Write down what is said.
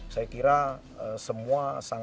saya kira semua